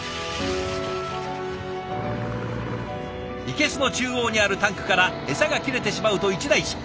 生けすの中央にあるタンクからエサが切れてしまうと一大事。